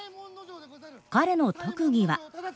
彼の特技は。